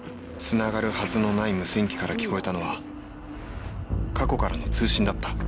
つながるはずのない無線機から聞こえたのは過去からの通信だった。